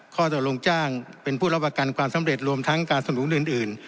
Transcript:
ต่อลงจ้างเป็นผู้รับประกันความสำเร็จรวมทั้งการสนุนอื่น